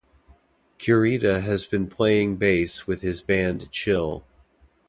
Kurita has been playing bass with his band Chill.